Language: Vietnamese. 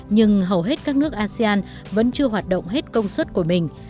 nhưng hầu hết các nước asean vẫn chưa hoạt động hết công suất của mình